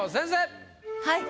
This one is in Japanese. はい。